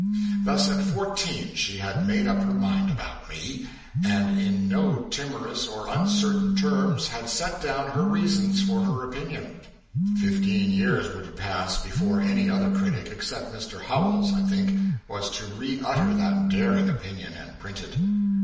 Thus at fourteen she had made up her mind about me, and in no timorous or uncertain terms had set down her reasons for her opinion. Fifteen years were to pass before any other critic except Mr. Howells, I think was to reutter that daring opinion and print it.